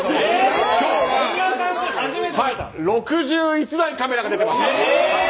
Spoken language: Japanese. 今日は６１台カメラが出ています。